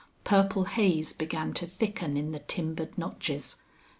Purple haze began to thicken in the timbered notches.